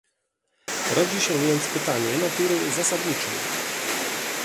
Rodzi się więc pytanie natury zasadniczej